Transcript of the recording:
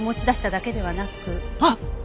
あっ！